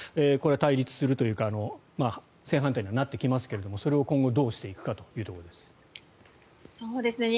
これは対立するというか正反対にはなってきますがそれを今後、どうしていくかというところです。